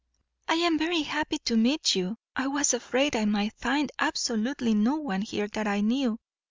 "I am very happy to meet you. I was afraid I might find absolutely no one here that I knew.